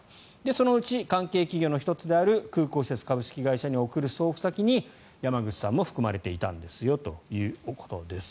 そのうち、関係企業の１つである空港施設株式会社に送る送付先に山口さんも含まれていたんですよということです。